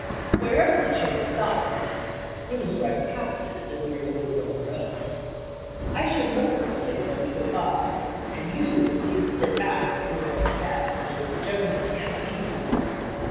"Wherever the chaise stops, miss, we must drive past it as if we were going somewhere else. I shall notice the place while we go by; and you will please sit back in the corner of the cab so that the gentleman can't see you."